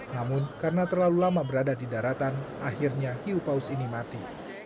namun karena terlalu lama berada di daratan akhirnya hiu paus ini mati